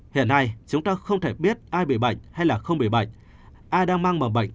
hiện nay chúng ta không thể biết ai bị bệnh hay không bị bệnh